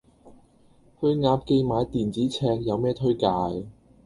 去鴨記買電子尺有咩推介